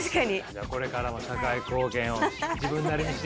じゃあこれからも社会貢献を自分なりにしていってください。